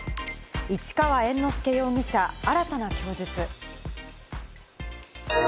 市川猿之助容疑者、新たな供述。